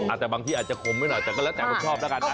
แต่บางที่อาจจะคมไว้หน่อยแต่ก็แล้วแต่คนชอบแล้วกันนะ